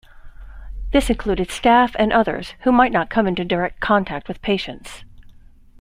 This included staff and others who might not come into direct contact with patients.